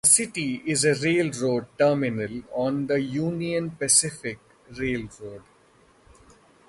The city is a railroad terminal on the Union Pacific Railroad.